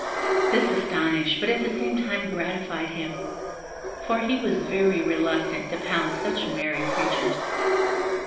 This astonished, but at the same time gratified him, for he was very reluctant to pound such merry creatures.